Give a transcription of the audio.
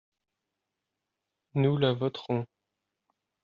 Nous la voterons.